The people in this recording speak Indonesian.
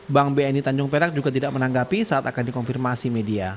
bank bni tanjung perak juga tidak menanggapi saat akan dikonfirmasi media